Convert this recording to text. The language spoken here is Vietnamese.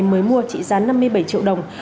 mới mua chỉ giá năm mươi bảy triệu đồng